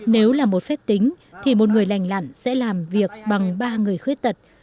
nếu là một phép tính thì một người lành lặn sẽ làm việc bằng ba người khuyết tật